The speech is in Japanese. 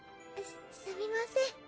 すすみません。